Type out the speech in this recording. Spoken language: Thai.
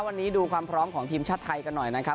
วันนี้ดูความพร้อมของทีมชาติไทยกันหน่อยนะครับ